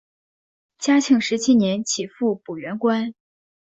嘉庆十七年起复补原官。